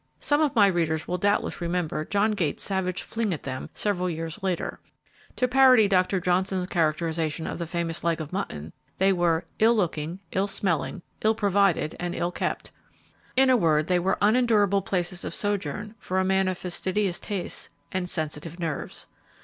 Some of my readers will doubtless remember John Gait's savage fling at them several years later. To parody Dr. Johnson's characterization of the famous leg of mutton, they were ill looking, ill smelling, ill provided and ill kept. In a word, they were unendurable places of sojourn for a man of fastidious tastes and sensitive nerves.